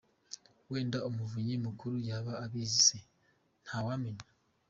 Wenda umuvunyi mukuri yaba abizi se ! Nta wamenya.